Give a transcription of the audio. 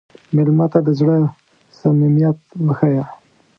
مېلمه ته د زړه صمیمیت وښیه.